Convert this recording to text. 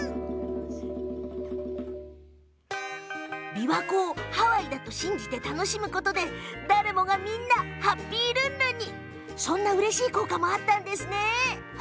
琵琶湖をハワイだと信じて楽しむことでハッピーな気持ちになれるそんなうれしい効果もあったんですよね。